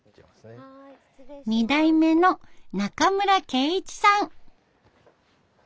２代目の中村圭一さん。